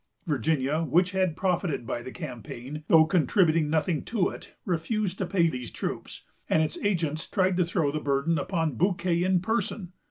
Virginia, which had profited by the campaign, though contributing nothing to it, refused to pay these troops; and its agents tried to throw the burden upon Bouquet in person.